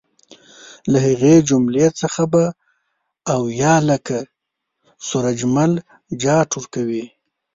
له هغې جملې څخه به اویا لکه سورج مل جاټ ورکوي.